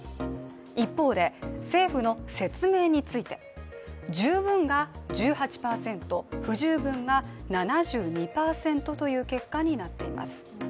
一方で、政府の説明について十分が１８％不十分が７２％という結果になっています。